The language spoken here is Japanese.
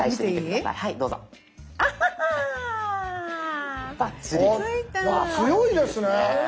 あっ強いですね。